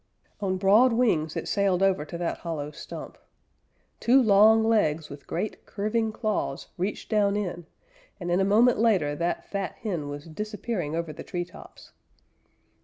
On broad wings it sailed over to that hollow stump. Two long legs with great curving claws reached down in, and a moment later that fat hen was disappearing over the tree tops.